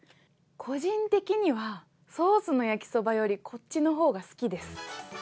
個人的にはソースの焼きそばより、こっちの方が好きです。